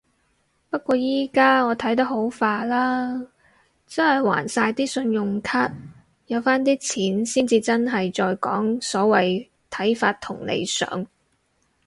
不過依家我睇得好化啦，真係還晒啲信用卡。有返啲錢先至真係再講所謂睇法同理想